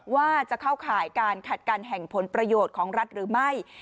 ว่าจะเข้าข่ายการขัดกันแห่งผลประโยชน์ของรัฐหรือไม่